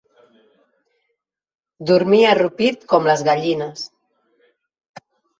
Dormir arrupit com les gallines.